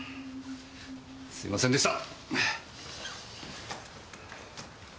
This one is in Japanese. すいませんでした！